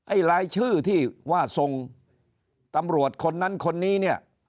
รายชื่อที่ว่าส่งตำรวจคนนั้นคนนี้เนี่ย